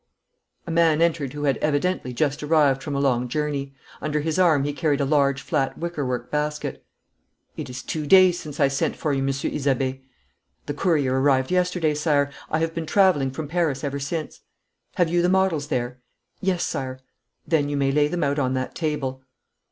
A man entered who had evidently just arrived from a long journey. Under his arm he carried a large flat wickerwork basket. 'It is two days since I sent for you, Monsieur Isabey.' 'The courier arrived yesterday, Sire. I have been travelling from Paris ever since.' 'Have you the models there?' 'Yes, Sire.' 'Then you may lay them out on that table.'